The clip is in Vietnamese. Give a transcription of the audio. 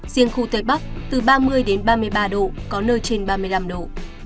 riêng khu tây bắc từ ba mươi ba mươi ba độ có nơi trên ba mươi năm độ